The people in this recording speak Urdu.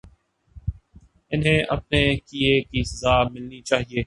انہیں اپنے کیے کی سزا ملنی چاہیے۔